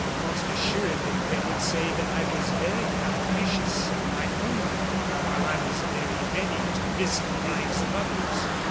Most assuredly they would say that I was very avaricious of my own blood, while I was very ready to risk the lives of others.